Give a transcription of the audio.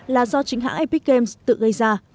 là do chính hãng apex games tự gây ra